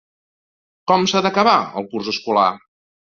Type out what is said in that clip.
Com s’ha d’acabar el curs escolar?